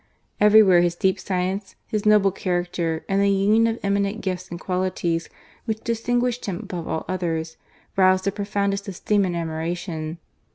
Everywhere his deep science, his noble character,, and that union of eminent gifts and qualities which distinguished him above all others, roused their profoundest esteem and admiration.